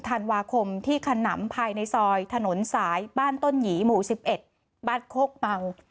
ธันวาคมที่ขนำภายในซอยถนนสายบ้านต้นหยีหมู่๑๑บ้านโคกเมา